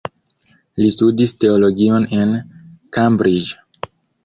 Li studis teologion en Cambridge.